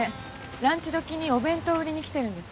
ランチ時にお弁当を売りに来てるんです。